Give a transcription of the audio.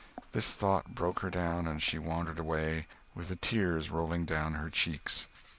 This thought broke her down, and she wandered away, with tears rolling down her cheeks.